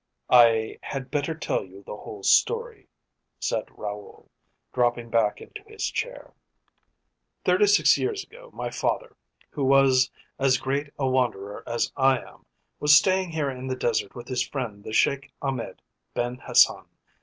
"I had better tell you the whole story," said Raoul, dropping back into his chair. "Thirty six years ago my father, who was as great a wanderer as I am, was staying here in the desert with his friend the Sheik Ahmed Ben Hassan.